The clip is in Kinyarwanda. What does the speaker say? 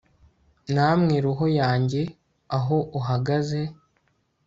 Namwe roho yanjye aho uhagaze